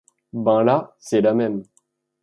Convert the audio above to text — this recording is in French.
Ben là c'est la même.